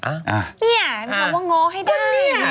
นี่มันคำว่าง้อให้ได้